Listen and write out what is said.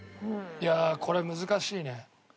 いやあこれ難しいね。